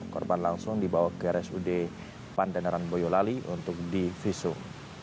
korban langsung dibawa ke rsud pandanaran boyolali untuk divisum